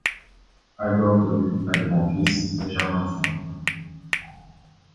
Albor Tholus a des pentes lisses, légèrement accidentées.